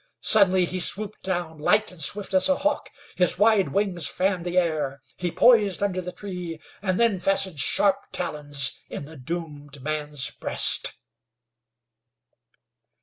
Suddenly he swooped down, light and swift as a hawk; his wide wings fanned the air; he poised under the tree, and then fastened sharp talons in the doomed man's breast.